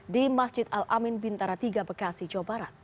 di masjid al amin bintara tiga bekasi jawa barat